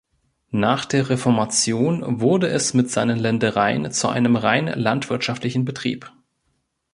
Nach der Reformation wurde es mit seinen Ländereien zu einem rein landwirtschaftlichen Betrieb.